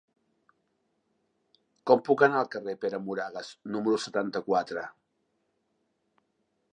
Com puc anar al carrer de Pere Moragues número setanta-quatre?